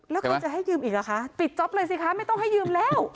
แล้วคุณจะให้ยืมอีกเหรอคะปิดจ๊อปเลยสิคะไม่ต้องให้ยืมแล้ว